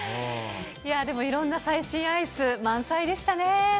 いやー、でもいろんな最新アイス、満載でしたね。